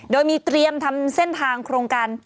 โดยมีเตรียมทำเส้นทางโครงการ